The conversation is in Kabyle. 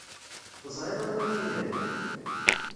Teẓriḍ anwa ay t-ilan?